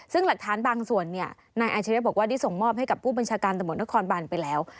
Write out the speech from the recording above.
ซึ่งหลักฐานบางส่วนเนี่ยนายอาชิริยะบอกว่าได้ส่งมอบให้กับผู้บัญชาการตำรวจนครบานไปแล้ว